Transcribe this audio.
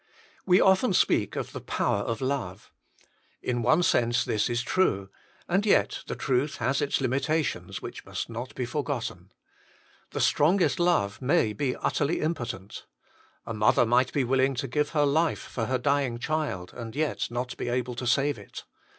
We often speak of the power of love. In one sense this is true ; and yet the truth has its limitations, which must not be forgotten. The strongest love may be utterly impotent. A mother might be willing to give her life for her dying child, and yet not be able to save it.